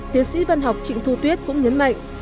tiến sĩ văn học trịnh thu tuyết cũng nhấn mạnh